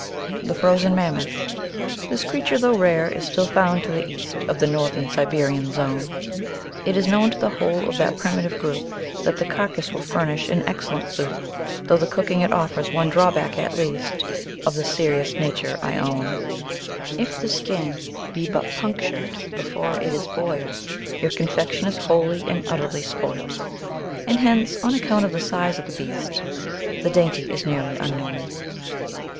The Frozen Mammoth This Creature, though rare, is still found to the East Of the Northern Siberian Zone. It is known to the whole of that primitive group That the carcass will furnish an excellent soup, Though the cooking it offers one drawback at least (Of a serious nature I own): If the skin be but punctured before it is boiled, Your confection is wholly and utterly spoiled. And hence (on account of the size of the beast) The dainty is nearly unknown.